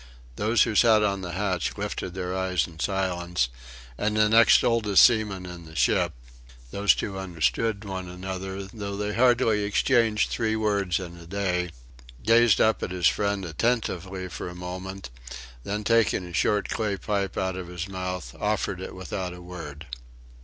Those who sat on the hatch lifted their eyes in silence, and the next oldest seaman in the ship (those two understood one another, though they hardly exchanged three words in a day) gazed up at his friend attentively for a moment, then taking a short clay pipe out of his mouth, offered it without a word.